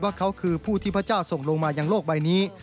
เขาคือผู้ที่พระเจ้าส่งลงมายังโลกใบนี้